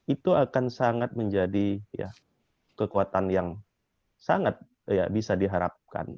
itu akan sangat menjadi kekuatan yang sangat bisa diharapkan